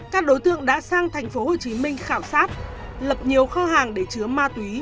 các đối tượng đã sang tp hcm khảo sát lập nhiều kho hàng để chứa ma túy